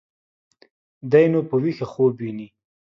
دى نو په ويښه خوب ويني.